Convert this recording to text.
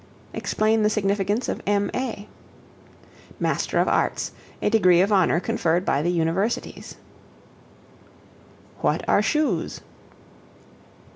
Explain the signification of M.A. Master of Arts, a degree of honor conferred by the Universities. What are Shoes?